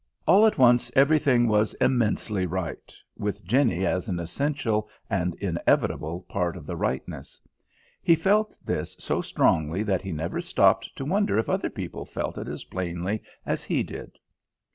All at once everything was immensely right, with Jenny as an essential and inevitable part of the rightness. He felt this so strongly that he never stopped to wonder if other people felt it as plainly as he did.